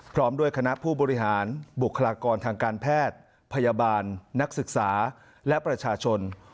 พร้อมด้วยคณะผู้บริหารบุคลากรทางการแพทย์พยาบาลนักศึกษาและประชาชน